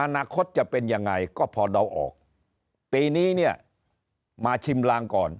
อนาคตจะเป็นยังไงก็พอเดาออกปีนี้เนี่ยมาชิมลางก่อน